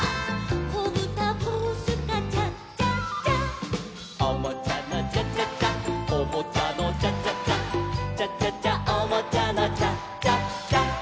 「こぶたブースカチャチャチャ」「おもちゃのチャチャチャおもちゃのチャチャチャ」「チャチャチャおもちゃのチャチャチャ」